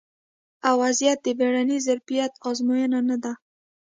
ا وضعیت د بیړني ظرفیت ازموینه نه ده